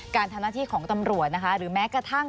การทำหน้าที่ของตำรวจนะคะหรือแม้กระทั่ง